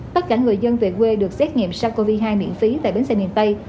tất cả người dân về quê được xét nghiệm sars cov hai miễn phí tại bến xe miền tây